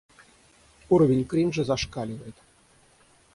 Уровень кринжа зашкаливает.